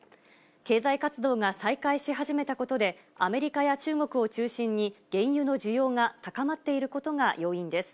経済活動が再開し始めたことで、アメリカや中国を中心に、原油の需要が高まっていることが要因です。